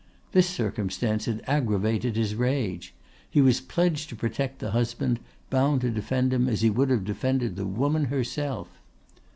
This circumstance had aggravated his rage. He was pledged to protect the husband, bound to defend him as he would have defended the woman herself.